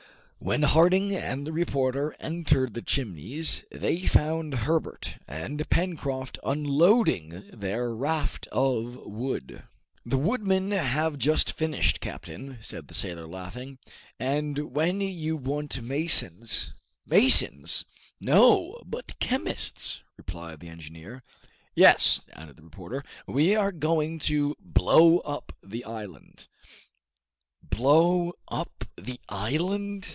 When Harding and the reporter entered the Chimneys, they found Herbert and Pencroft unloading their raft of wood. "The woodmen have just finished, captain." said the sailor, laughing, "and when you want masons " "Masons, no, but chemists," replied the engineer. "Yes," added the reporter, "we are going to blow up the island " "Blow up the island?"